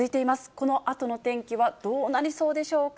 このあとの天気はどうなりそうでしょうか。